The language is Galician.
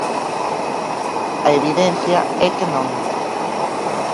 A evidencia é que non.